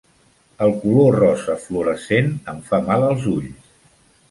El color rosa fluorescent em fa mal als ulls.